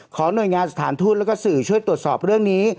หน่วยงานสถานทูตแล้วก็สื่อช่วยตรวจสอบเรื่องนี้